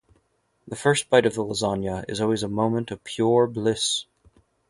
The first bite of the lasagna is always a moment of pure bliss.